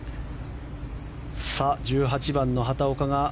１８番の畑岡。